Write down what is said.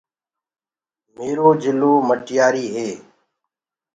ميرو جِلو مٽياريٚ هي